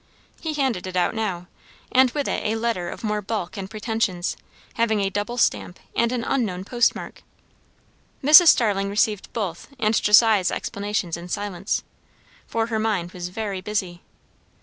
He handed it out now, and with it a letter of more bulk and pretensions, having a double stamp and an unknown postmark. Mrs. Starling received both and Josiah's explanations in silence, for her mind was very busy.